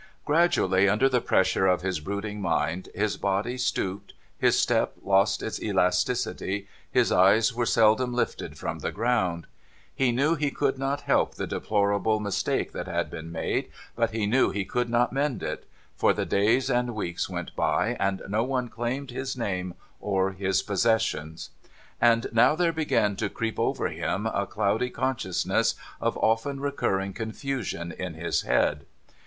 Gradually, under the pressure of his brooding mind, his body stooped, his step lost its elasticity, his eyes were seldom lifted from the ground. He knew he could not help the deplorable mistake that had been made, but he knew he could not mend it ; for the days and weeks went by and no one claimed his name or his possessions. And now there began to creep over him a cloudy consciousness of often recurring confusion in his head.